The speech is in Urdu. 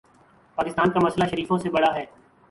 پاکستان کا مسئلہ شریفوں سے بڑا ہے۔